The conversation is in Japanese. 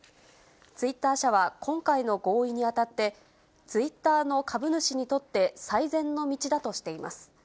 ツイッター社は今回の合意にあたって、ツイッターの株主にとって最善の道だとしています。